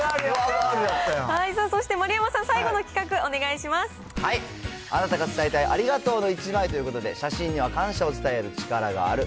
そして丸山さん、最後の企画あなたが伝えたいありがとうの１枚ということで、写真には感謝を伝える力がある。